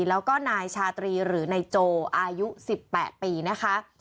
แล้วก็นายชาตรีหรือนายโจอายุ๑๘ปีนะคะ